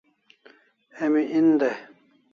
Emi en dai